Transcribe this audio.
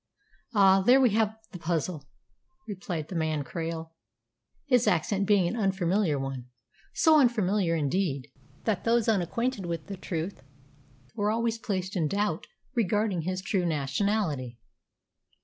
"Ah, there we have the puzzle!" replied the man Krail, his accent being an unfamiliar one so unfamiliar, indeed, that those unacquainted with the truth were always placed in doubt regarding his true nationality.